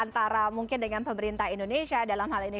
antara mungkin dengan pemerintah indonesia dalam hal ini